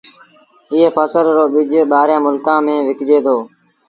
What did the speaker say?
ايئي ڦسل رو ٻج ٻآهريآݩ ملڪآݩ ميݩ وڪجي دو۔